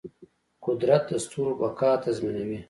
قدرت د ستورو بقا تضمینوي.